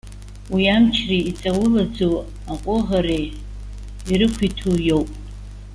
Уи амчреи иҵаулаӡоу аҟәыӷараеи ирықәиҭу иоуп.